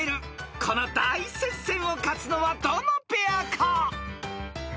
［この大接戦を勝つのはどのペアか？］